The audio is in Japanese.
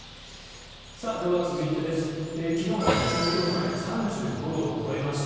では続いて、昨日は東京都内は３５度を超えました。